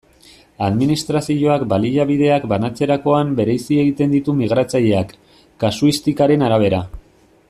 Administrazioak baliabideak banatzerakoan bereizi egiten ditu migratzaileak, kasuistikaren arabera.